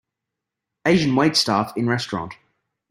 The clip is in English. Asian waitstaff in restaurant.